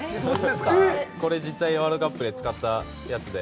これが実際にワールドカップで使ったやつで。